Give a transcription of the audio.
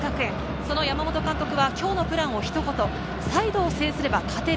その山本監督は、今日のプランをひと言、サイドを制すれば勝てる。